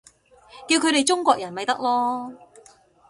叫佢哋中國人咪得囉